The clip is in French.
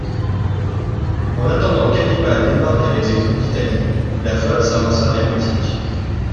En attendant qu'Hannibal débarque avec ses troupes d'Italie, la flotte s'avança vers Utique.